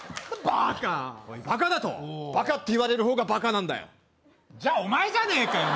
バカって言われる方がバカなんだよじゃお前じゃねえかよ